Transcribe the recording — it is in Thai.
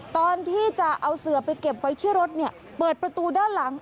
ตอนที่จะเอาเสือไปเก็บไว้ที่รถเปิดประตูด้านหลัง